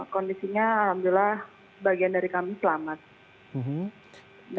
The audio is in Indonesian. kondisinya alhamdulillah bagian dari kami selamat